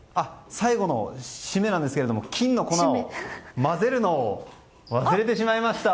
最後の締めなんですが金の粉を混ぜるのを忘れてしまいました。